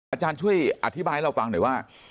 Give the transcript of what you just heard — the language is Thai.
อาจารย์ช่วยอธิบายให้เราฟังหน่อยว่า